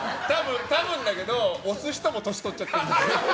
多分だけど押す人も年取っちゃってる。